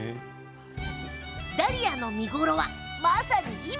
ダリアの見頃は、まさに今。